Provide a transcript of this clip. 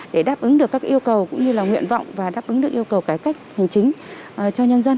để đáp ứng được các yêu cầu cũng như là nguyện vọng và đáp ứng được yêu cầu cải cách hành chính cho nhân dân